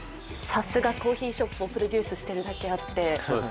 さすがコーヒーショップをプロデュースしているだけあって。